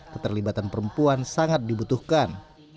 keterlibatan perempuan sangat dibutuhkan